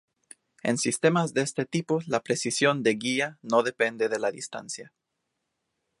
En sistemas de este tipo la precisión de guía no depende de la distancia.